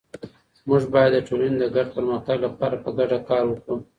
مونږ بايد د ټولني د ګډ پرمختګ لپاره په ګډه کار وکړو.